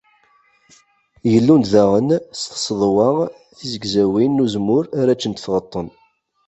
Gellun-d daɣen s tseḍwa tizegzawin n uzemmur ara ččent tɣeṭṭen.